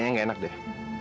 kayaknya gak enak deh